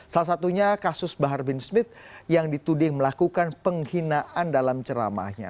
salah satunya kasus bahar bin smith yang dituding melakukan penghinaan dalam ceramahnya